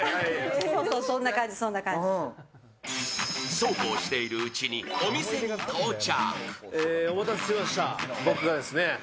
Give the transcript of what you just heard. そうこうしているうちにお店に到着。